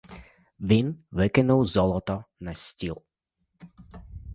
Він викинув золото на стіл.